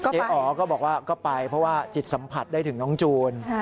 อ๋อก็บอกว่าก็ไปเพราะว่าจิตสัมผัสได้ถึงน้องจูน